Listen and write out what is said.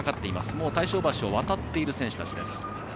もう大正橋を渡っている選手たちです。